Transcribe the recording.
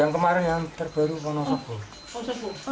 yang kemarin yang terbaru mana sebuah